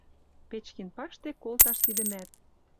Печкин паштек колташ тидӹмӓт.